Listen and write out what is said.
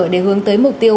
để hướng tới mục tiêu